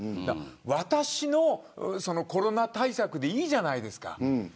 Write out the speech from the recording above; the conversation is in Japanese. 私のコロナ対策でいいじゃないですか。